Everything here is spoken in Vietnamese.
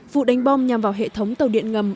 vụ đánh bom nhằm vào hệ thống tàu điện ngầm